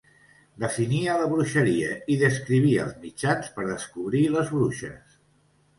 Definia la bruixeria i descrivia els mitjans per descobrir les bruixes.